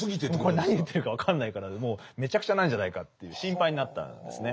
これ何言ってるか分かんないからもうめちゃくちゃなんじゃないかという心配になったんですね。